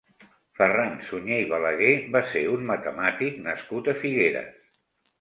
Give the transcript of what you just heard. Ferran Sunyer i Balaguer va ser un matemàtic nascut a Figueres.